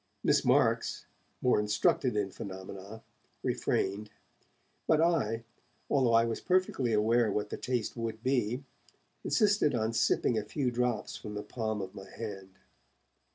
Miss Marks, more instructed in phenomena, refrained, but I, although I was perfectly aware what the taste would be, insisted on sipping a few drops from the palm of my hand.